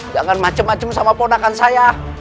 jangan macem macem sama ponakan saya